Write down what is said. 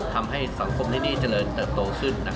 ทำให้สังคมที่นี่เจริญเติบโตขึ้น